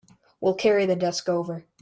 We'll carry the desk over.